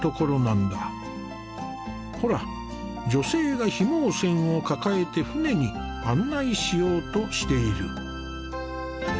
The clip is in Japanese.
ほら女性が緋毛氈を抱えて舟に案内しようとしている。